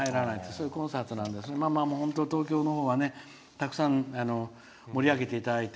そういうコンサートなんで東京のほうはたくさん盛り上げていただいて。